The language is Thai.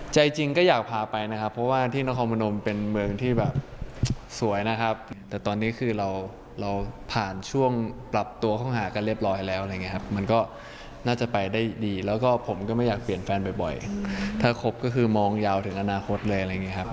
ใจจริงก็อยากพาไปนะครับเพราะว่าที่นครพนมเป็นเมืองที่แบบสวยนะครับแต่ตอนนี้คือเราเราผ่านช่วงปรับตัวเข้าหากันเรียบร้อยแล้วอะไรอย่างนี้ครับมันก็น่าจะไปได้ดีแล้วก็ผมก็ไม่อยากเปลี่ยนแฟนบ่อยถ้าครบก็คือมองยาวถึงอนาคตเลยอะไรอย่างนี้ครับ